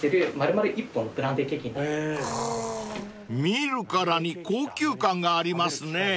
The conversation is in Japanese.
［見るからに高級感がありますねぇ！］